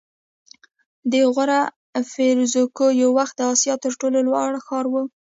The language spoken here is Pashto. د غور فیروزکوه یو وخت د اسیا تر ټولو لوړ ښار و